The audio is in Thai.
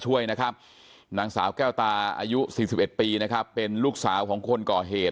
ช่วยนะครับนางสาวแก้วตาอายุ๔๑ปีนะครับเป็นลูกสาวของคนก่อเหตุ